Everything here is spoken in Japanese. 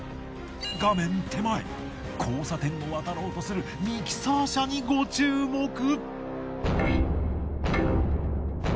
画面手前交差点を渡ろうとするミキサー車にご注目。